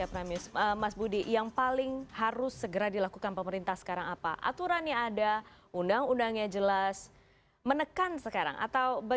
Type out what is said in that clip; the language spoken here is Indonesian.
nah ini di sini dilihat di mana lemahnya di mana celahnya